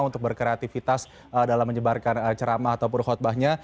untuk berkreativitas dalam menyebarkan ceramah ataupun khutbahnya